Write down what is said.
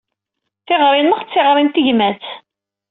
Tiɣri-nneɣ d tiɣri n tegmat.